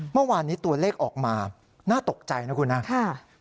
เมื่อวานนี้ตัวเลขออกมาน่าตกใจนะครับ